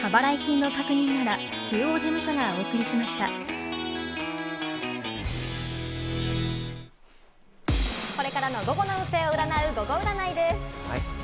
明日は全これからの午後の運勢を占うゴゴ占いです。